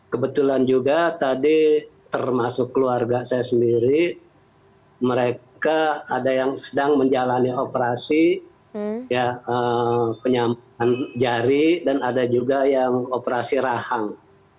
kebetulan juga tadi termasuk keluarga saya sendiri mereka ada yang sedang menjalani operasi penyampangan jari dan ada juga yang operasi rahang